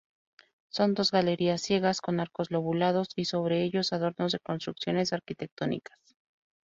Son dos galerías ciegas con arcos lobulados, y sobre ellos adornos de construcciones arquitectónicas.